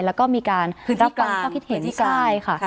แล้วก็มีการรับฟังข้อคิดเห็นที่ใกล้